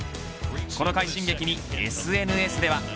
この快進撃にＳＮＳでは。